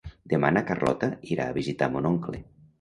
Demà na Carlota irà a visitar mon oncle.